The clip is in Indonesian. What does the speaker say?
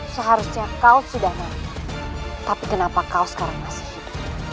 seharusnya kau sudah mau tapi kenapa kau sekarang masih hidup